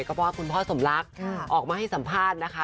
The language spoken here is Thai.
ก็เพราะว่าคุณพ่อสมรักออกมาให้สัมภาษณ์นะคะ